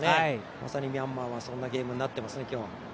まさにミャンマーはそんなゲームになってますね今日。